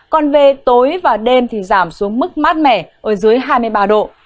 còn về tối và đêm thì giảm xuống mức mát mẻ ở dưới hai mươi ba độ